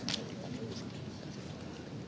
kenapa bisa berbeda sama itu